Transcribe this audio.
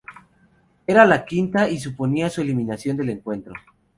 Era la quinta y suponía su eliminación del encuentro.